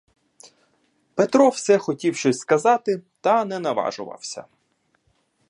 Петро все хотів щось сказати, та не наважувався.